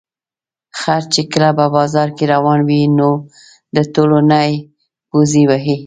خر چې کله په بازار کې روان وي، نو د ټولو نه پوزې وهي.